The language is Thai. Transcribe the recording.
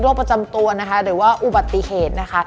ประจำตัวนะคะหรือว่าอุบัติเหตุนะคะ